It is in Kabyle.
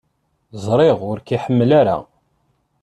Ẓriɣ ur k-iḥemmel ara.